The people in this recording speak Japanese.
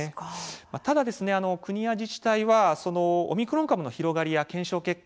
ただ、国や自治体はオミクロン株の広がりや検証結果